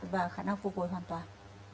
và khả năng phục vụ hoàn toàn